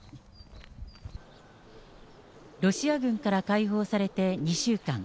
ロシア軍から解放されて２週間。